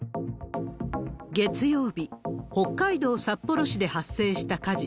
月曜日、北海道札幌市で発生した火事。